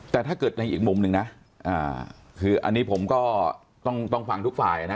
แต่ถ้าเกิดในอีกมุมหนึ่งนะคืออันนี้ผมก็ต้องฟังทุกฝ่ายนะ